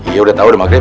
ya udah tau udah maghrib